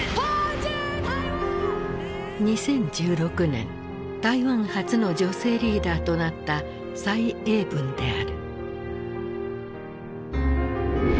２０１６年台湾初の女性リーダーとなった蔡英文である。